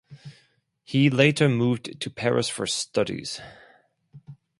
He later moved to Paris for studies.